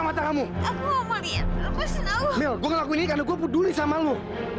mila gue ngelakuin ini karena gue peduli sama lu